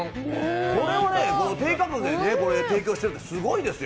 これを低価格で提供してるってすごいですよ。